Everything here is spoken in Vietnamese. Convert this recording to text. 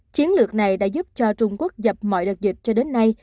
chiến lược này đã giúp cho trung quốc dập mọi đợt dịch cho đến nay